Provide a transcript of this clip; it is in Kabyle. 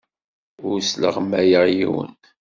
Ur sleɣmayeɣ yiwen.